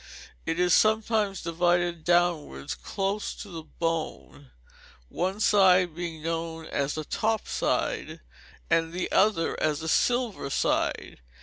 It is sometimes divided downwards, close to the bone; one side being known as the 'top side', and the other as the 'silver side'.